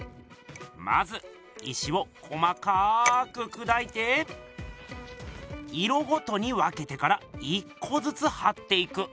まず石を細かくくだいて色ごとに分けてから１こずつはっていく。